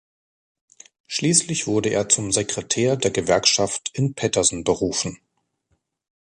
Schließlich wurde er zum Sekretär der Gewerkschaft in Paterson berufen.